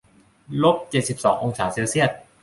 ลบเจ็ดสิบองศาเซลเซียส